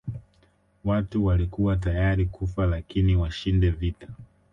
Watu walikuwa tayari kufa lakini washinde vita